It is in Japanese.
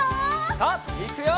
さあいくよ！